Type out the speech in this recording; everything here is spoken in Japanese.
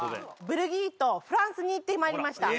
ベルギーとフランスに行ってまいりました。